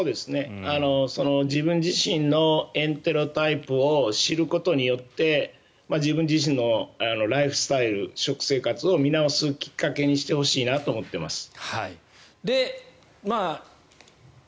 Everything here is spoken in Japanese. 自分自身のエンテロタイプを知ることによって自分自身のライフスタイル食生活を見直すきっかけにしてほしいなと思っています。